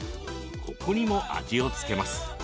ここにも味を付けます。